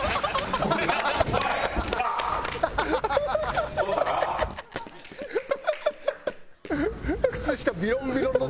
ハハハハ！